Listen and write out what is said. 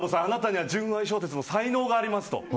ジャンボさん、あなたには純愛小説の才能がありますと。